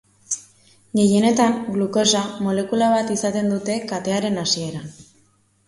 Gehienetan glukosa molekula bat izaten dute katearen hasieran.